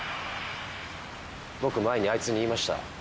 僕前にあいつに言いました。